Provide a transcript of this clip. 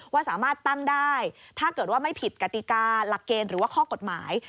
ว่าสามารถตั้งได้ถ้าเกิดว่าไม่ผิดกติกาหลักเกณฑ์หรือว่าข้อกฎหมาย